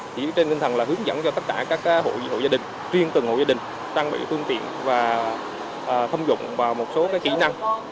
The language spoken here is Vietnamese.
chỉ trên tinh thần là hướng dẫn cho tất cả các hội dịch hộ gia đình riêng từng hộ gia đình trang bị phương tiện và thông dụng vào một số kỹ năng